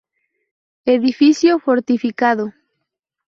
Edificio fortificado.